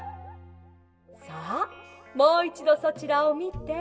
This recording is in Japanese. さあもういちどそちらをみて。